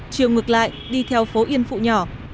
chiều ngược lại đi theo phố yên phụ nhỏ